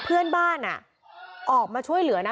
เพื่อนบ้านออกมาช่วยเหลือนะ